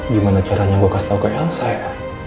gimana caranya gue kasih tau ke elsa